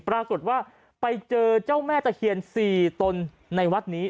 ปรากฏว่าไปเจอเจ้าแม่ตะเคียน๔ตนในวัดนี้